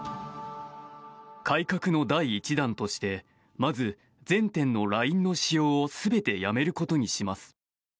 改革の第１弾としてまず、全店のＬＩＮＥの使用を全てやめることにします。